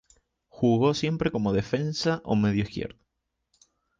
Jugó siempre como Defensa o medio izquierdo.